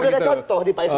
udah ada contoh di psb